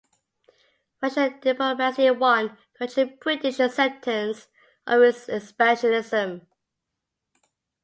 Russian diplomacy won grudging British acceptance of its expansionism.